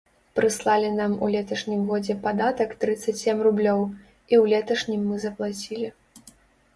Прыслалі нам у леташнім годзе падатак трыццаць сем рублёў, і ў леташнім мы заплацілі.